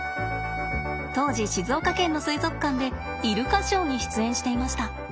当時静岡県の水族館でイルカショーに出演していました。